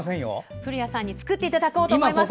古谷さんに作っていただこうと思います。